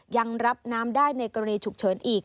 ยังรับน้ำได้ในกรณีฉุกเฉินอีก